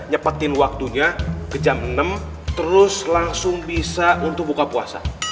nyepetin waktunya ke jam enam terus langsung bisa untuk buka puasa